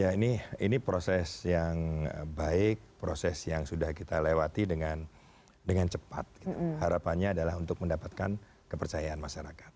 ya ini proses yang baik proses yang sudah kita lewati dengan cepat harapannya adalah untuk mendapatkan kepercayaan masyarakat